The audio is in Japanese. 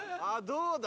どうだ？